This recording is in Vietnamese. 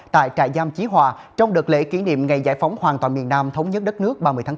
tại trại giam chí hòa trong đợt lễ kỷ niệm ngày giải phóng hoàn toàn miền nam thống nhất đất nước ba mươi tháng bốn